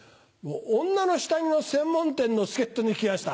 女の下着の専門店の助っ人に来やした。